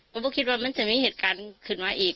ผมก็คิดว่ามันจะมีเหตุการณ์ขึ้นมาอีก